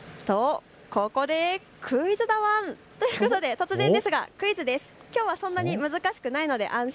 ここでクイズだワン！ということで突然ですがクイズです。